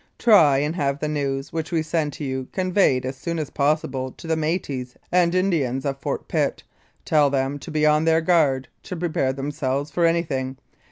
Try and have the news which we send to you conveyed as soon as possible to the metis and Indians of Fort Pitt. Tell them to be on their guard, to prepare themselves for anything.